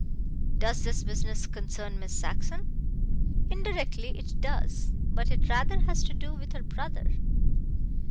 "Does this business concern Miss Saxon?" "Indirectly it does. But it rather has to do with her brother."